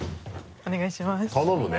お願いします。